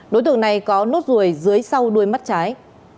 đối tượng này có nốt ruồi dưới sau đuôi mắt trái